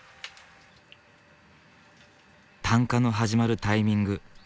炭化の始まるタイミング